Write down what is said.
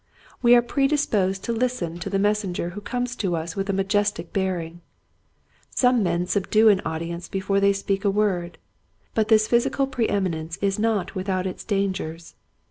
We are predisposed to listen to the mes senger who comes to us with a majestic bearing. Some men subdue an audience before they speak a word. But this physi cal pre eminence is not without its dangers.